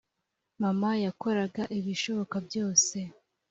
mama yakoraga ibishoboka byose